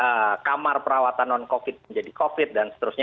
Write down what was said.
kemudian kamar perawatan non covid menjadi covid dan seterusnya